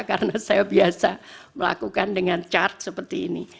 karena saya biasa melakukan dengan cat seperti ini